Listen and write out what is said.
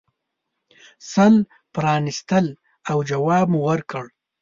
سل پرانیستل او جواب مو ورکړ.